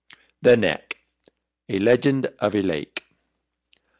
THE NECK. A Legend of a Lake.